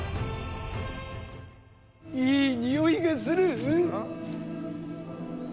いい匂いがする。